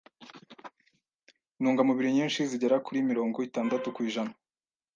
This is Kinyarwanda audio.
Intungamubiri nyinshi zigera kuri mirongo itandatu kw’ijana